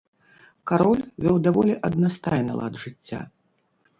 Кароль вёў даволі аднастайны лад жыцця.